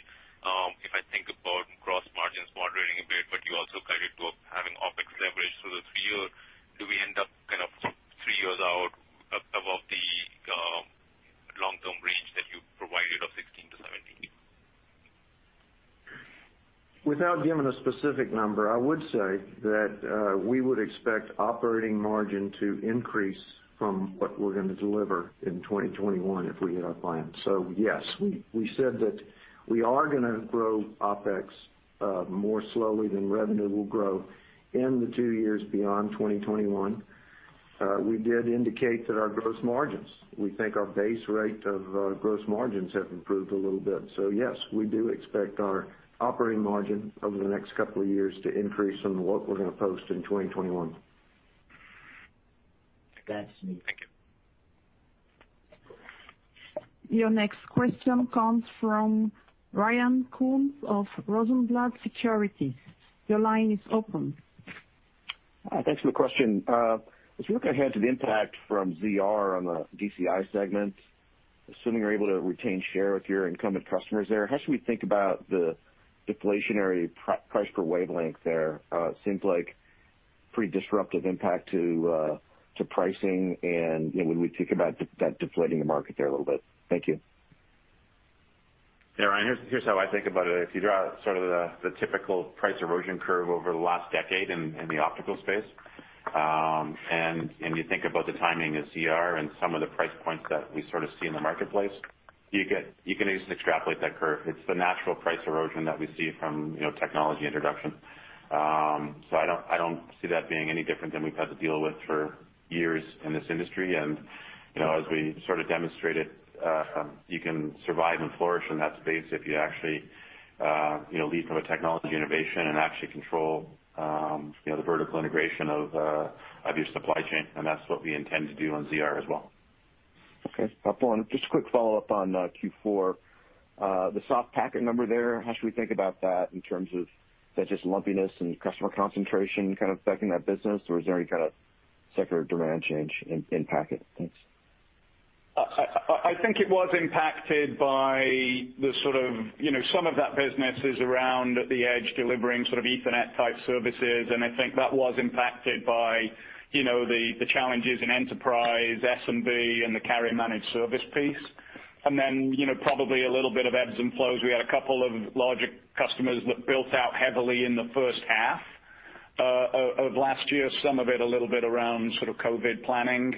If I think about gross margins moderating a bit, but you also guided to having OpEx leverage through the three-year, do we end up kind of three years out above the long-term range that you provided of 16%-17%? Without giving a specific number, I would say that we would expect operating margin to increase from what we're going to deliver in 2021 if we hit our plan. So yes, we said that we are going to grow OpEx more slowly than revenue will grow in the two years beyond 2021. We did indicate that our gross margins, we think our base rate of gross margins have improved a little bit. So yes, we do expect our operating margin over the next couple of years to increase from what we're going to post in 2021. Thank you. Your next question comes from Ryan Koontz of Rosenblatt Securities. Your line is open. Thanks for the question. As we look ahead to the impact from ZR on the DCI segment, assuming you're able to retain share with your incumbent customers there, how should we think about the deflationary price per wavelength there? It seems like a pretty disruptive impact to pricing, and would we think about that deflating the market there a little bit? Thank you. Yeah. Right. Here's how I think about it. If you draw sort of the typical price erosion curve over the last decade in the optical space, and you think about the timing of ZR and some of the price points that we sort of see in the marketplace, you can at least extrapolate that curve. It's the natural price erosion that we see from technology introduction. So I don't see that being any different than we've had to deal with for years in this industry. And as we sort of demonstrated, you can survive and flourish in that space if you actually lead from a technology innovation and actually control the vertical integration of your supply chain. And that's what we intend to do on ZR as well. Okay. Just a quick follow-up on Q4. The soft packet number there, how should we think about that in terms of that just lumpiness and customer concentration kind of affecting that business? Or is there any kind of sector demand change in packet? Thanks. I think it was impacted by the sort of some of that business is around the edge delivering sort of Ethernet-type services. I think that was impacted by the challenges in enterprise, SMB, and the carrier-managed service piece. Then probably a little bit of ebbs and flows. We had a couple of larger customers that built out heavily in the first half of last year, some of it a little bit around sort of COVID planning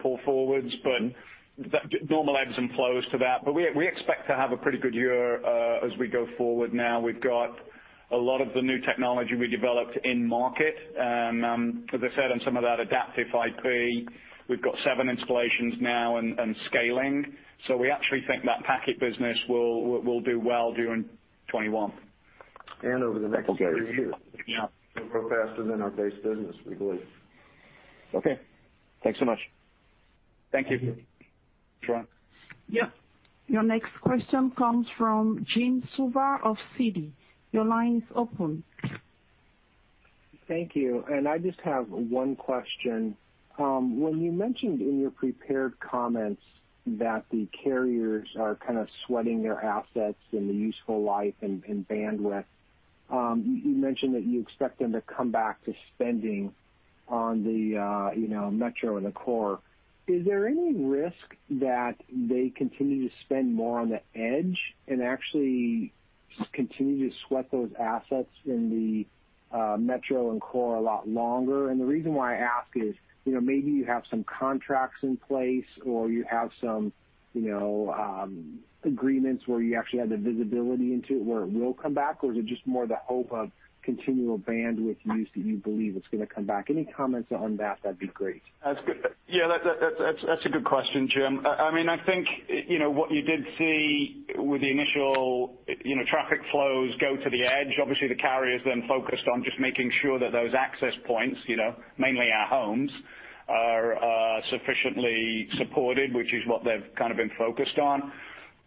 pull forwards. But normal ebbs and flows to that. We expect to have a pretty good year as we go forward now. We've got a lot of the new technology we developed in market. As I said, on some of that Adaptive IP, we've got seven installations now and scaling. So we actually think that packet business will do well during 2021. Over the next three years. Okay. Yeah. It'll grow faster than our base business, we believe. Okay. Thanks so much. Thank you. That's right. Yeah. Your next question comes from Jim Suva of Citi. Your line is open. Thank you. I just have one question. When you mentioned in your prepared comments that the carriers are kind of sweating their assets and the useful life and bandwidth, you mentioned that you expect them to come back to spending on the metro and the core. Is there any risk that they continue to spend more on the edge and actually continue to sweat those assets in the metro and core a lot longer? And the reason why I ask is maybe you have some contracts in place or you have some agreements where you actually have the visibility into it where it will come back, or is it just more the hope of continual bandwidth use that you believe it's going to come back? Any comments on that, that'd be great. That's good. Yeah. That's a good question, Jim. I mean, I think what you did see with the initial traffic flows go to the edge. Obviously the carriers then focused on just making sure that those access points, mainly our homes, are sufficiently supported, which is what they've kind of been focused on.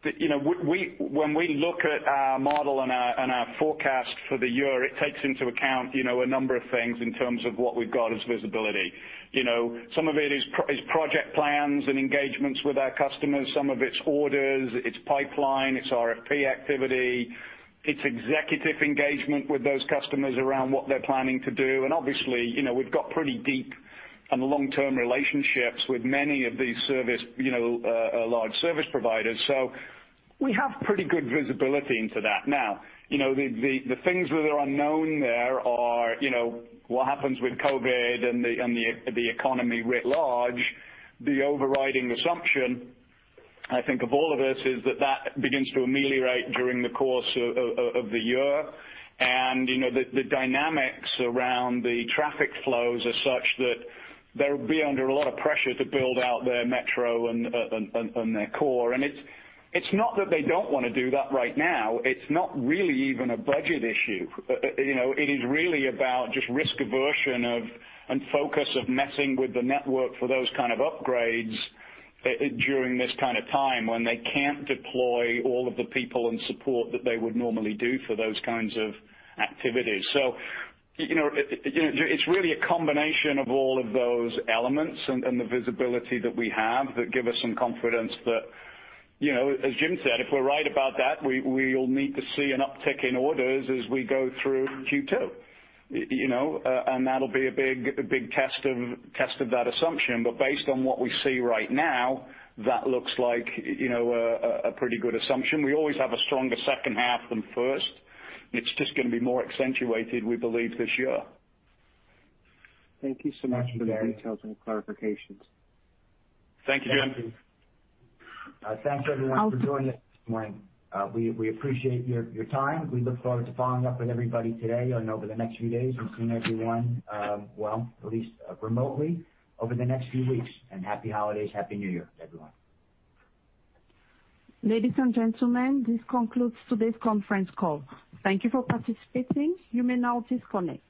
When we look at our model and our forecast for the year, it takes into account a number of things in terms of what we've got as visibility. Some of it is project plans and engagements with our customers. Some of it's orders, it's pipeline, it's RFP activity. It's executive engagement with those customers around what they're planning to do. And obviously, we've got pretty deep and long-term relationships with many of these large service providers. So we have pretty good visibility into that. Now, the things that are unknown there are what happens with COVID and the economy writ large. The overriding assumption, I think, of all of this is that that begins to ameliorate during the course of the year. And the dynamics around the traffic flows are such that they'll be under a lot of pressure to build out their metro and their core. And it's not that they don't want to do that right now. It's not really even a budget issue. It is really about just risk aversion and focus of messing with the network for those kind of upgrades during this kind of time when they can't deploy all of the people and support that they would normally do for those kinds of activities. So it's really a combination of all of those elements and the visibility that we have that give us some confidence that, as Jim said, if we're right about that, we'll need to see an uptick in orders as we go through Q2. And that'll be a big test of that assumption. But based on what we see right now, that looks like a pretty good assumption. We always have a stronger second half than first. It's just going to be more accentuated, we believe, this year. Thank you so much for the details and clarifications. Thank you, Jim. Thank you. Thanks, everyone, for joining us this morning. We appreciate your time. We look forward to following up with everybody today and over the next few days. We'll see everyone, well, at least remotely, over the next few weeks, and happy holidays, happy New Year, everyone. Ladies and gentlemen, this concludes today's conference call. Thank you for participating. You may now disconnect.